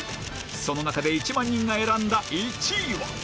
その中で１万人が選んだ１位は。